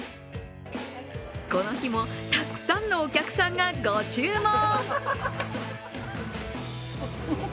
この日もたくさんのお客さんがご注文。